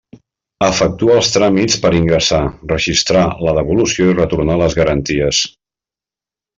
Efectua els tràmits per ingressar, registrar la devolució i retornar les garanties.